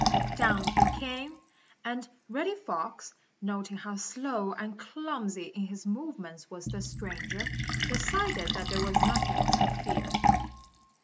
Down he came, and Reddy Fox, noting how slow and clumsy in his movements was the stranger, decided that there was nothing to fear.